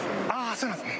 そうなんですか。